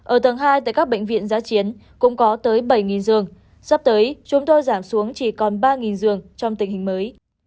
ở tầng hai tại các bệnh viện giá chiến cũng có tới bảy giường sắp tới chúng tôi giảm xuống chỉ còn ba giường trong tình hình mới